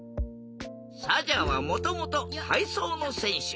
サジャはもともとたいそうのせんしゅ。